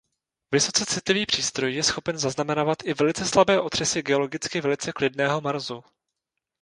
Vysoce citlivý přístroj je schopen zaznamenávat i velice slabé otřesy geologicky velice klidného Marsu.